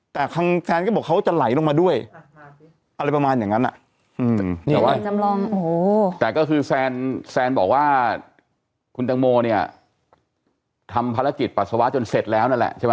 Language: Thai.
แต่ครั้งแซนก็บอกเขาจะไหลลงมาด้วยอะไรประมาณอย่างนั้นอ่ะอืม